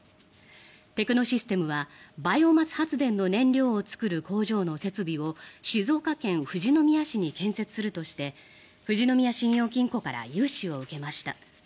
テクノシステムはバイオマス発電の燃料を作る工場の設備を静岡県富士宮市に建設するとして富士宮信用金庫から融資を受けました。